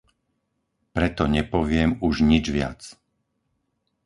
Preto nepoviem už nič viac.